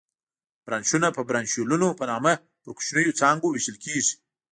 برانشونه په برانشیولونو په نامه پر کوچنیو څانګو وېشل کېږي.